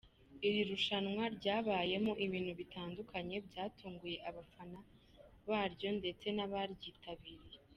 Iri rushanwa ryabayemo ibintu bitandukanye byatunguye abafana baryo ndetse n’abaryitabiriye.